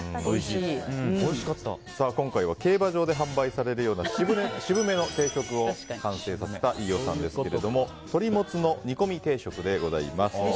今回は競馬場で販売されるような渋めの定食を完成させた飯尾さんですけども鶏もつの煮込み定食でございます。